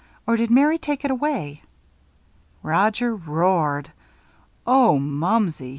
Or did Mary take it away?" Roger roared. "Oh, Mumsey!"